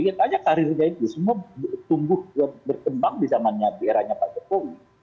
tidak hanya karirnya itu semua tumbuh berkembang di eranya pak jokowi